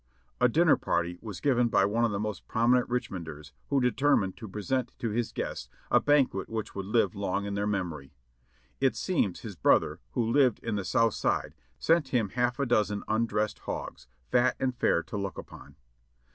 A dinner party was given by one of the most prominent Rich monders, who determined to present to his guests a banquet which would live long in their memory. It seems his brother, who lived in the south side, sent him half a dozen undressed hogs, fat and fair to look upon.